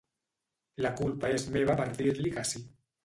La culpa és meva per dir-li que sí.